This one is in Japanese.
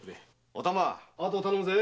お玉後を頼むぜ。